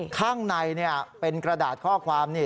ข้างในเนี่ยเป็นกระดาษข้อความนี่